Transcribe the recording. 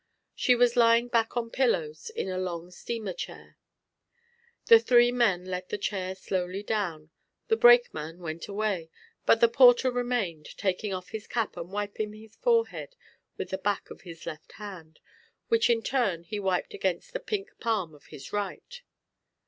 She was lying back on pillows in a long steamer chair. The three men let the chair slowly down, the brakeman went away, but the porter remained, taking off his cap and wiping his forehead with the back of his left hand, which in turn he wiped against the pink palm of his right.